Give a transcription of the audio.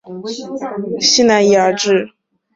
汉武帝元鼎六年开西南夷而置。